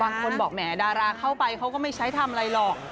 บางคนบอกแหมดาราเข้าไปเขาก็ไม่ใช้ทำอะไรหรอก